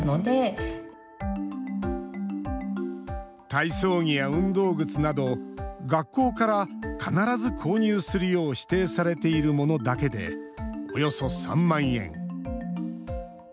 体操着や運動靴など、学校から必ず購入するよう指定されているものだけでおよそ３万円。